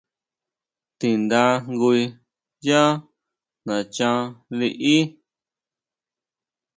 Tindae jngu yá nachan liʼí.